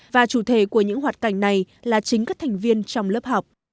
và chủ thể của những hoạt cảnh này là chính các thành viên trong lớp học